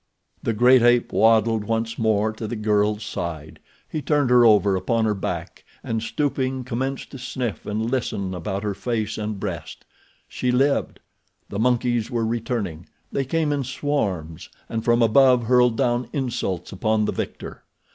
The great ape waddled once more to the girl's side. He turned her over upon her back, and stooping commenced to sniff and listen about her face and breast. She lived. The monkeys were returning. They came in swarms, and from above hurled down insults upon the victor.